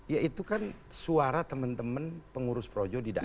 ya itu kan suara teman teman pengurus projo di daerah